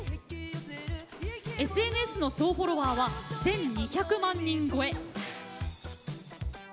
ＳＮＳの総フォロワーは１２００万人超え。